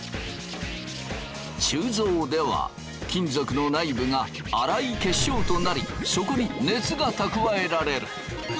鋳造では金属の内部が粗い結晶となりそこに熱が蓄えられる。